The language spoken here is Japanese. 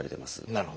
なるほど。